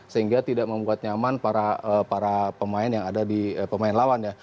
sehingga tidak membuat nyaman para pemain yang ada di pemain lawan ya